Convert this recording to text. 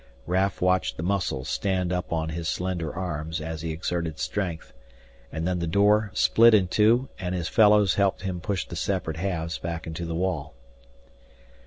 Raf watched the muscles stand up on his slender arms as he exerted strength. And then the door split in two, and his fellows helped him push the separate halves back into the wall.